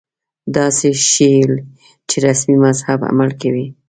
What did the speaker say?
داسې ښييل چې رسمي مذهب عمل کوي